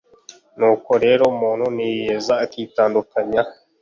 Nuko rero umuntu niyiyeza akitandukanya